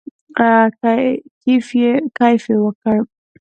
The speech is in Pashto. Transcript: کیف یې وکړ.